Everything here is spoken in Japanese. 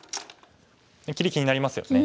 切り気になりますよね。